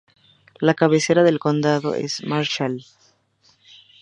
La cabecera del condado es Marshall.